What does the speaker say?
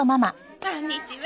こんにちは。